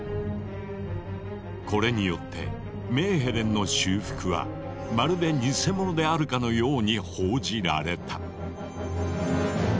これによってメーヘレンの修復はまるでニセモノであるかのように報じられた。